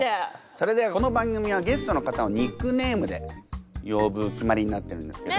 それではこの番組はゲストの方をニックネームで呼ぶ決まりになってるんですけど。